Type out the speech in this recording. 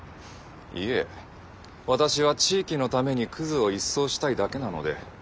いえ私は地域のためにクズを一掃したいだけなので。